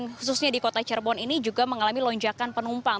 khususnya di kota cirebon ini juga mengalami lonjakan penumpang